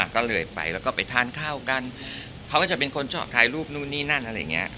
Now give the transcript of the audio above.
ก็เลยไปแล้วก็ไปทานข้าวกันเขาก็จะเป็นคนชอบถ่ายรูปนู่นนี่นั่นอะไรอย่างนี้